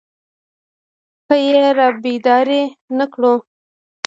که يې رابيدارې نه کړو.